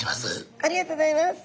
ありがとうございます。